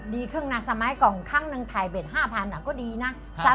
ดีขึ้นนะสมัยก่อนครั้งหนึ่งถ่ายเบ็ด๕๐๐ก็ดีนะ